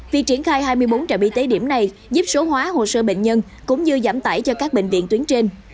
việc triển khai hai mươi bốn trạm y tế điểm này giúp số hóa hồ sơ bệnh nhân cũng như giảm tải cho các bệnh viện tuyến trên